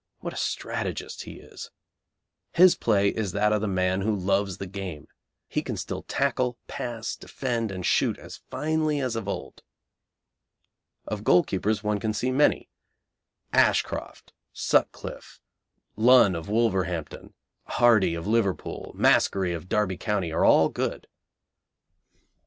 What a strategist he is. His play is that of the man who loves the game; he can still tackle, pass, defend, and shoot as finely as of old. Of goalkeepers, one can see many. Ashcroft; Sutcliffe; Lunn, of Wolverhampton; Hardy, of Liverpool; Maskery, of Derby County, are all good.